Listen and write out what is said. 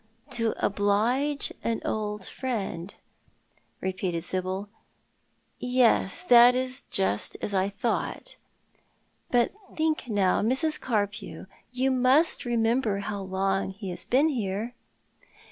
" To oblige an old friend," repeated Sibyl ;" yes, that is just as I thought. But, think, now, Mrs. Carpew— you must remem ber how long he has been here